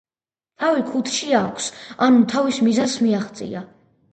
თავი ქუდში აქვს - ანუ თავის მიზანს მიაღწია.